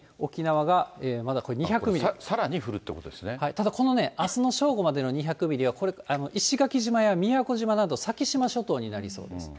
ただこのあすの正午までの２００ミリは、これ、石垣島や宮古島など、先島諸島になりそうです。